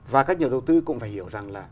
và các nhà đầu tư cũng phải hiểu rằng là